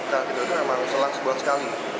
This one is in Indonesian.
kalau gitu tuh emang selang sebulan sekali